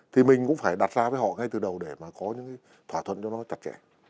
thì mình cũng phải đặt ra với họ ngay từ đầu để mà có những cái thỏa thuận cho nó chặt chẽ